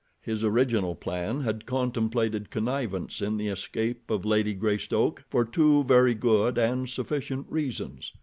His original plan had contemplated connivance in the escape of Lady Greystoke for two very good and sufficient reasons.